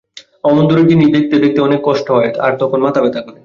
আমার দূরের জিনিস দেখতে অনেক কষ্ট হয় আর তখন মাথা ব্যথা করে।